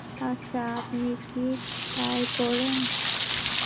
আচ্ছা, আপনি কী টাই পড়েন?